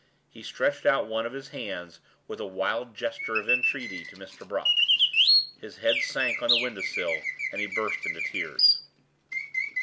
He stretched out one of his hands with a wild gesture of entreaty to Mr. Brock; his head sank on the window sill and he burst into tears.